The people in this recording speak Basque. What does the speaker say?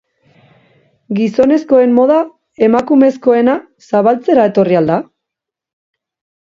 Gizonezkoen moda emakumezkoena salbatzera etorri al da?